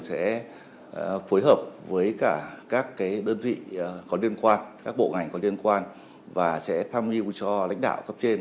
sẽ phối hợp với các bộ ngành có liên quan và sẽ tham mưu cho lãnh đạo cấp trên